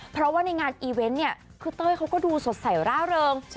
เพราะว่าในงานอีเวนต์เนี่ยคือเต้ยเขาก็ดูสดใสร่าเริง